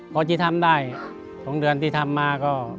พอที่ทำได้๒เดือนที่ทำมาก็